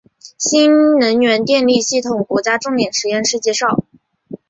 新能源电力系统国家重点实验室简介